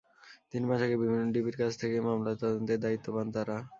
তিন মাস আগে ডিবির কাছ থেকে মামলার তদন্তের দায়িত্ব পান তাঁরা।